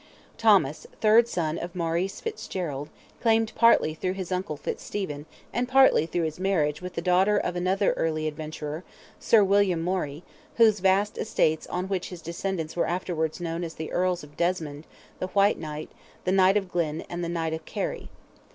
Thomas, third son of Maurice Fitzgerald, claimed partly through his uncle Fitzstephen, and partly through his marriage with the daughter of another early adventurer, Sir William Morrie, whose vast estates on which his descendants were afterwards known as Earls of Desmond, the White Knight, the Knight of Glyn, and the Knight of Kerry.